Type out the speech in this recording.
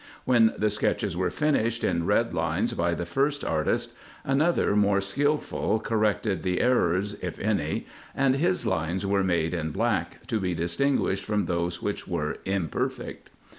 When the sketches were finished in red lines by the first artist, another more skilful corrected the errors, if any, and his lines were made in black, to be distinguished from those winch were imperfect.